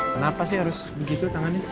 kenapa sih harus begitu tangannya